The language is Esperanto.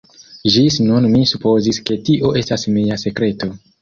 Ĝis nun mi supozis ke tio estas mia sekreto.